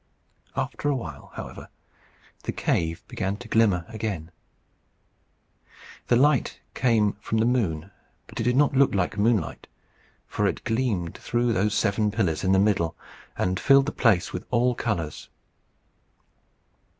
After a while, however, the cave began to glimmer again. The light came from the moon, but it did not look like moonlight, for it gleamed through those seven pillars in the middle, and filled the place with all colours.